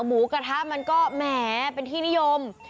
หมูกระทะมันก็แหมเป็นที่นิยม